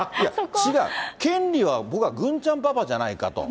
違う、権利は僕は郡ちゃんパパじゃないかと。